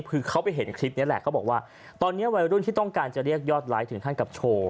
คือเขาไปเห็นคลิปนี้แหละเขาบอกว่าตอนนี้วัยรุ่นที่ต้องการจะเรียกยอดไลค์ถึงขั้นกับโชว์